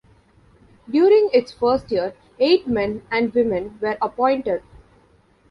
During its first year, eight men and women were appointed.